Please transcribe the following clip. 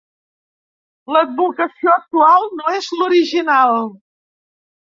L'advocació actual no és l'original.